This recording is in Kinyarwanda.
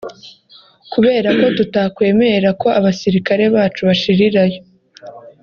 kubera ko tutakwemera ko abasirikare bacu bashirirayo”